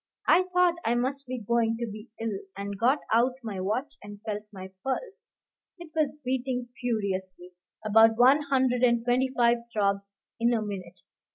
I thought I must be going to be ill, and got out my watch and felt my pulse: it was beating furiously, about one hundred and twenty five throbs in a minute.